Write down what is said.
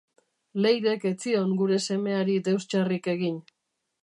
Leirek ez zion gure semeari deus txarrik egin.